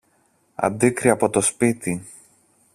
Αντίκρυ από το σπίτι